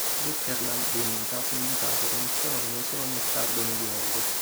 L'Uckerland riunita fu indicata con il suo nome solo nel tardo Medioevo.